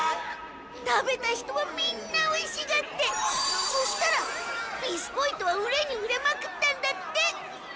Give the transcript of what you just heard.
食べた人はみんなおいしがってそしたらビスコイトは売れに売れまくったんだって！